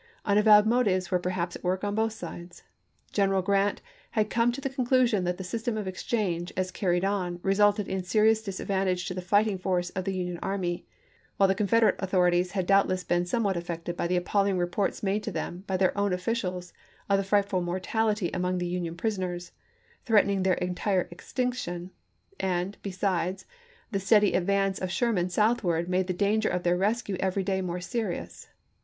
Unavowed motives were perhaps at work on both sides. Gen eral Grant had come to the conclusion that the system of exchange, as carried on, resulted in serious disadvantage to the fighting force of the Union army ; while the Confederate authorities had doubtless been somewhat affected by the appalling reports made to them by their own officials of the frightful mortality among the Union prisoners, Grant to Butler, April 17, 1864. Canby's Report, p. 540. 462 ABKAHAM LINCOLN Canby's .Report, p. 359. chap. xvi. threatening their entire extinction; and, besides, the steady advance of Sherman southward made the danger of their rescue every day more serious.